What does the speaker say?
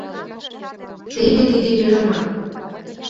— Теве тиде верымак.